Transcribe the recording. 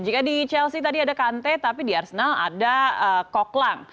jika di chelsea tadi ada kante tapi di arsenal ada koklang